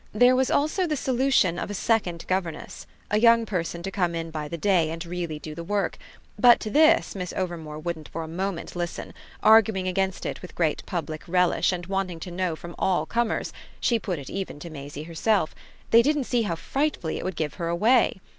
There was also the solution of a second governess, a young person to come in by the day and really do the work; but to this Miss Overmore wouldn't for a moment listen, arguing against it with great public relish and wanting to know from all comers she put it even to Maisie herself they didn't see how frightfully it would give her away.